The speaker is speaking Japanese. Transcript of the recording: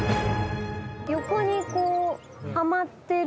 横にこうはまってる。